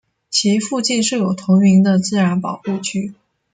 其附近设有同名的自然保护区。